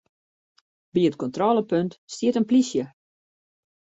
By it kontrôlepunt stiet in plysje.